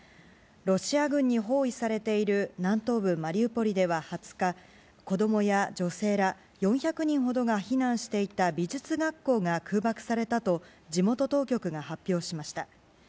ロシア軍に包囲されている南東部マリウポリでは２０日子供や女性ら４００人ほどが避難していた美術学校が空爆されたと地元当局が発表しました。